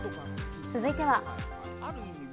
続いては。